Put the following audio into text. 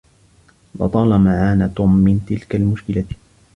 لطالما عانى توم من تلك المشكلة.